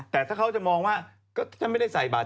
แต่ถ้าเขาจะมองว่าก็ท่านไม่ได้ใส่บาท